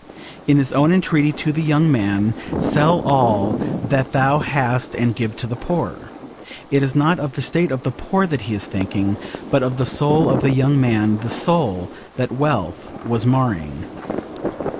In his own entreaty to the young man, 'Sell all that thou hast and give to the poor,' it is not of the state of the poor that he is thinking but of the soul of the young man, the soul that wealth was marring.